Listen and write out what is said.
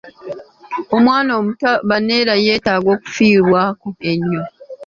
Omwana omuto baneera yeetaaga okufiibwako ennyo.